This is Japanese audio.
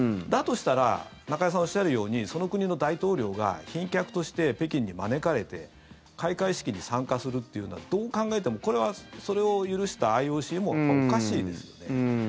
だとしたら中居さんおっしゃるようにその国の大統領が賓客として北京に招かれて開会式に参加するっていうのはどう考えてもこれはそれを許したＩＯＣもおかしいですよね。